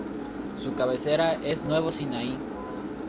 Su cabecera es Nuevo Sinaí.